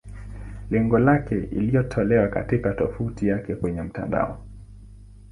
Lengo lake ni iliyotolewa katika tovuti yake kwenye mtandao.